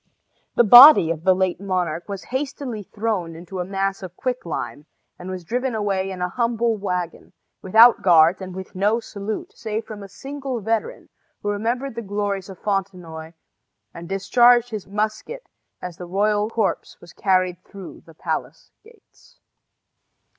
The body of the late monarch was hastily thrown into a mass of quick lime, and was driven away in a humble wagon, without guards and with no salute, save from a single veteran, who remembered the glories of Fontenoy and discharged his musket as the royal corpse was carried through the palace gates.